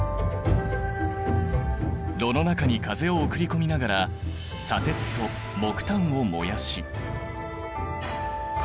炉の中に風を送り込みながら砂鉄と木炭を燃やし。